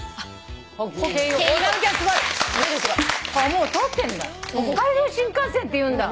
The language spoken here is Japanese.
もう通ってんだ。